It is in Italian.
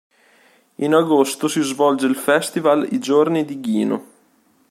In agosto si svolge il festival "I giorni di Ghino".